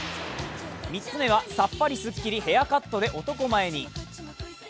３つ目は、さっぱりすっきりヘアカットで男前に。